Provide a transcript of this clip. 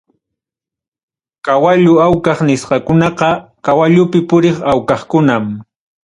Kawallu awqaq nisqakunaqa kawallupi puriq awqaqkunam.